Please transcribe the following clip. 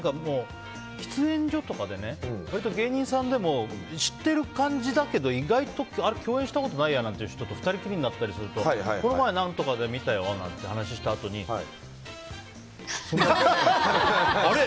喫煙所とかで割と芸人さんでも知ってる感じだけど意外と共演したことないやって人と２人きりになるとこの前、何とかで見たよなんていう話をしたあとにあれ？